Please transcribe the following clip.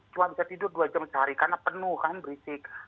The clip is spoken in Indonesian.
cuma bisa tidur dua jam sehari karena penuh kan berisik